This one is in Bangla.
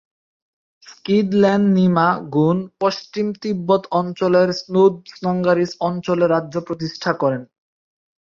স্ক্যিদ-ল্দে-ন্যিমা-গোন পশ্চিম তিব্বত অঞ্চলের স্তোদ-ম্ঙ্গা-রিস অঞ্চলে রাজ্য প্রতিষ্ঠা করেন।